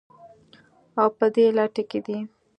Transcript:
او په دې لټه کې دي